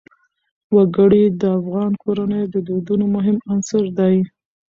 وګړي د افغان کورنیو د دودونو مهم عنصر دی.